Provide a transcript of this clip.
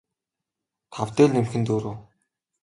тав дээр нэмэх нь дөрөв